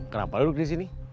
kenapa lu duduk disini